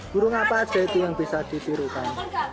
burung apa aja itu yang bisa ditirukan